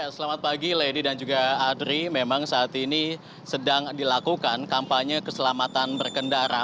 selamat pagi lady dan juga adri memang saat ini sedang dilakukan kampanye keselamatan berkendara